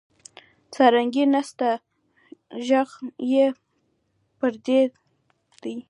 سارنګۍ نسته ږغ یې پردی دی